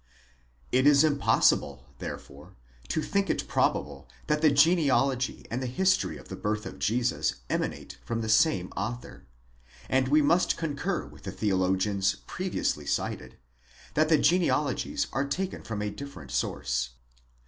It is impossible, therefore, to think it probable that the genealogy and the history of the birth of Jesus emanate from the same author® ; and we must concur with the theologians previously cited, that the genealogies are taken from a different source.